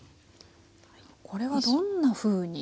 これはどんなふうに？